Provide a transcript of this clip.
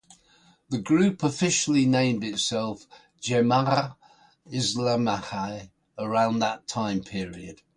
The group officially named itself Jemaah Islamiah around that time period.